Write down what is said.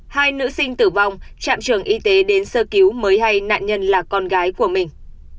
hai nữ sinh tử vong trạm trường y tế đến sơ cứu mới hay nạn nhân là con gái của mình